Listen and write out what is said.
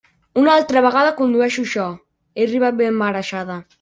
Una altra vegada condueixo jo; he arribat ben marejada.